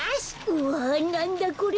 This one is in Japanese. うわなんだこれ。